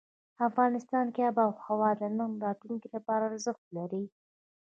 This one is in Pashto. افغانستان کې آب وهوا د نن او راتلونکي لپاره ارزښت لري.